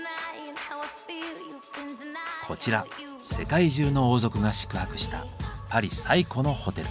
こちら世界中の王族が宿泊したパリ最古のホテル。